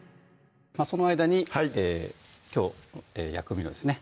その間にきょうの薬味のですね